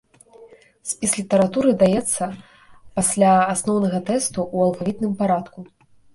Спіс літаратуры даецца пасля асноўнага тэксту ў алфавітным парадку.